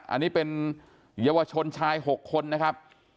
อันนี้เป็นเยาวชนชาย๖คนนะครับ